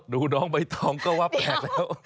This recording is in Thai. น้องใบตองก็ว่าแปลกแล้ว